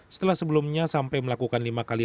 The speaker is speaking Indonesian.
setelah sebelumnya sampai melakukan lima kali